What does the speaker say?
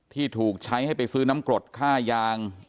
ที่ถูกใช้ให้ไปซื้อน้ำกรดค่ายาง